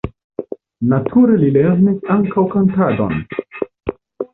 Nature li lernis ankaŭ kantadon.